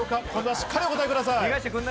しっかりお答えください。